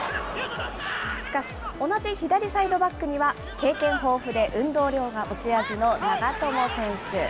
しかし、同じ左サイドバックには、経験豊富で運動量が持ち味の長友選手。